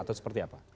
atau seperti apa